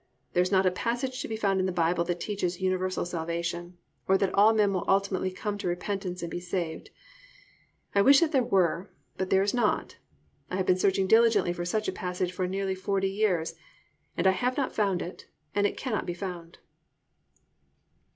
There is not a passage to be found in the Bible that teaches universal salvation, or that all men will ultimately come to repentance and be saved. I wish that there were, but there is not. I have been searching diligently for such a passage for nearly forty years and I have not found it, and it cannot be found. III. WHERE ARE THE ISSUES OF ETERNITY SETTLED?